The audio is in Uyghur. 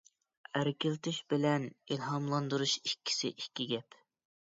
ئەركىلىتىش بىلەن ئىلھاملاندۇرۇش ئىككىسى ئىككى گەپ.